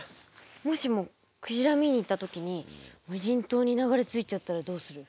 もしもクジラ見に行った時に無人島に流れ着いちゃったらどうする？